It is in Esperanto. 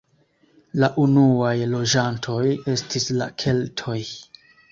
La unuaj loĝantoj estis la keltoj.